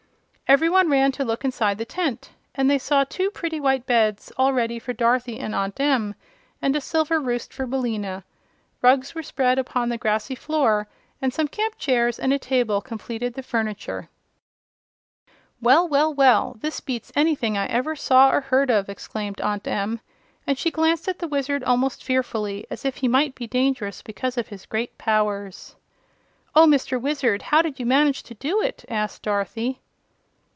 Every one ran to look inside the tent, and they saw two pretty white beds, all ready for Dorothy and Aunt Em, and a silver roost for Billina. Rugs were spread upon the grassy floor and some camp chairs and a table completed the furniture. "Well, well, well! This beats anything I ever saw or heard of!" exclaimed Aunt Em, and she glanced at the Wizard almost fearfully, as if he might be dangerous because of his great powers. "Oh, Mr. Wizard! How did you manage to do it?" asked Dorothy.